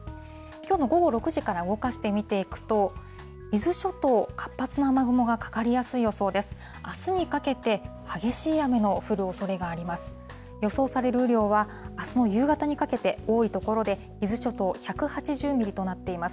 きょうの午後６時から動かして見ていくと、伊豆諸島、活発な雨雲がかかりやすい予想です。